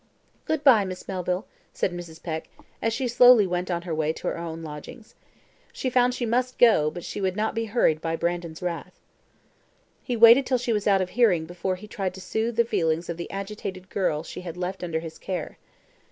"Good bye, Miss Melville," said Mrs. Peck, as she slowly went on her way to her own lodgings. She found she must go, but she would not be hurried by Brandon's wrath. He waited till she was out of hearing before he tried to soothe the feelings of the agitated girl she had left under his care.